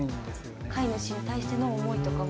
飼い主に対しての思いとかも？